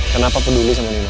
kenapa peduli sama nino